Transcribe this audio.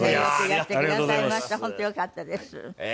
本当よかったです。